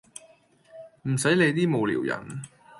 唔洗理啲無聊人